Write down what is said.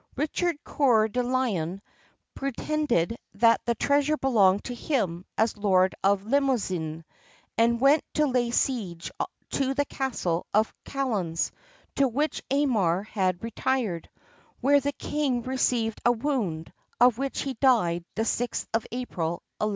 Richard Cœur de Lion pretended that the treasure belonged to him as Lord of Limousin, and went to lay siege to the castle of Chalons, to which Aymar had retired, where the king received a wound, of which he died the 6th of April, 1199.